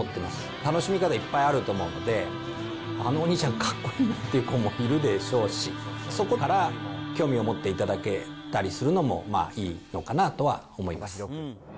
楽しみ方、いっぱいあると思うので、あのお兄ちゃんかっこいいなって子もいるでしょうし、そこから興味を持っていただけたりするのもいいのかなとは思います。